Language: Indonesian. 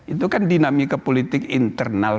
itu kan dinamika politik internal